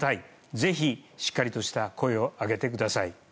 ぜひ、しっかりとした声を上げてください。